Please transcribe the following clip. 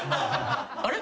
あれ？